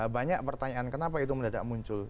banyak pertanyaan kenapa itu mendadak muncul